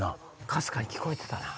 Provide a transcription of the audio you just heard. かすかに聞こえてたな。